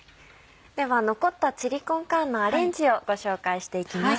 では残ったチリコンカーンのアレンジをご紹介していきます。